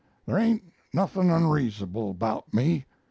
There ain't nothing onreasonable 'bout me.